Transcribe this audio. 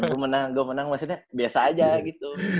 gue menang gue menang maksudnya biasa aja gitu